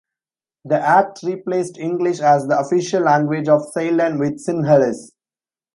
The act replaced English as the official language of Ceylon with Sinhalese.